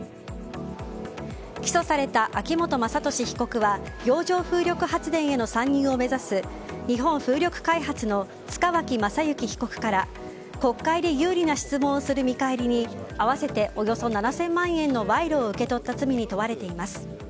起訴された秋本真利被告は洋上風力発電への参入を目指す日本風力開発の塚脇正幸被告から国会で有利な質問をする見返りに合わせておよそ７０００万円の賄賂を受け取った罪に問われています。